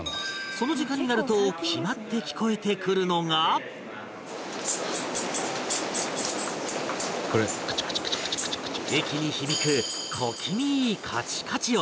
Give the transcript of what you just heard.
その時間になると決まって聞こえてくるのが駅に響く小気味いいカチカチ音